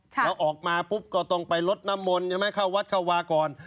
แล้วออกมาปุ๊บก็ต้องไปลดน้ำมนต์ใช่ไหมเข้าวัดเข้าวาก่อน